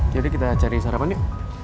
kita cari sarapan yuk